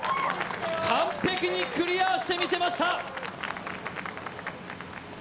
完璧にクリアして見せました。